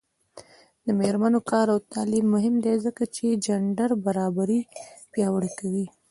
د میرمنو کار او تعلیم مهم دی ځکه چې جنډر برابري پیاوړې کوي.